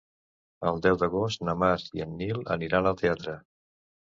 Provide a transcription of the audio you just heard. El deu d'agost na Mar i en Nil aniran al teatre.